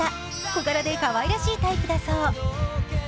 小柄でかわいらしいタイプだそう。